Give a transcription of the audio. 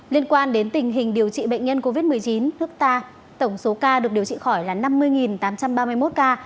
liên quan đến tình hình điều trị bệnh nhân covid một mươi chín nước ta tổng số ca được điều trị khỏi là năm mươi tám trăm ba mươi một ca